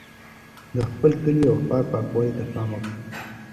د خپل کلي او ښار پاکوالي ته پام وکړئ.